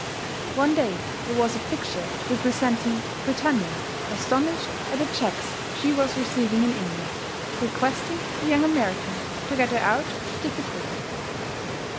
One day there was a picture representing "Britannia, astonished at the checks she was receiving in India, requesting the young American to get her out of the difficulty."